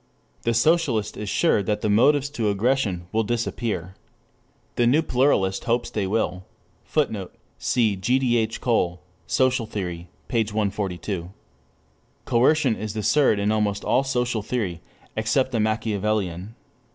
The socialist is sure that the motives to aggression will disappear. The new pluralist hopes they will. [Footnote: See G. D. H. Cole, Social Theory, p. 142.] Coercion is the surd in almost all social theory, except the Machiavellian.